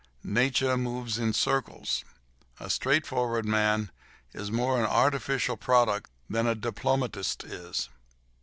Nature moves in circles. A straightforward man is more an artificial product than a diplomatist is.